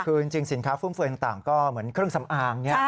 คือจริงสินค้าฟุ่มเฟือยต่างก็เหมือนเครื่องสำอางอย่างนี้